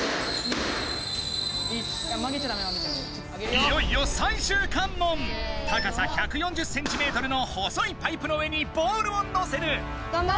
いよいよ高さ１４０ｃｍの細いパイプの上にボールをのせる！